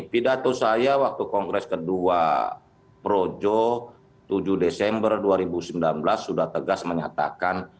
di datu saya waktu kongres ke dua projo tujuh desember dua ribu sembilan belas sudah tegas menyatakan